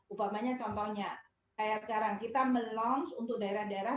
upamanya contohnya kayak sekarang kita meluncur untuk daerah daerah